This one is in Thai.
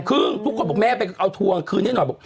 ครึ่งพวกเขาบอกแม่ไปเอาทวงคืนให้หน่อย